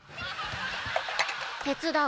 手伝う。